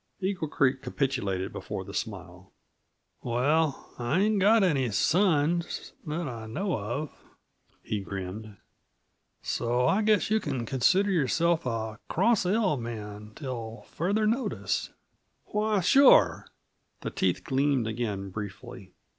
Eagle Creek capitulated before the smile. "Well, I ain't got any sons that I know of," he grinned. "So I guess yuh can consider yourself a Cross L man till further notice." "Why, sure!" The teeth gleamed again briefly.